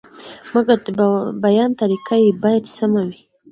مګر د بیان طریقه یې باید سمه وي.